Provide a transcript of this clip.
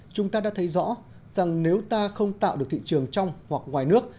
chúng ta đã thấy rõ rằng nếu ta không tạo được thị trường trong hoặc ngoài nước